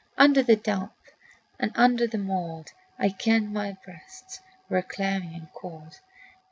Under the damp and under the mould, I kenned my breasts were clammy and cold.